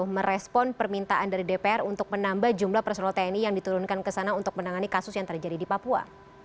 merespon permintaan dari dpr untuk menambah jumlah personal tni yang diturunkan ke sana untuk menangani kasus yang terjadi di papua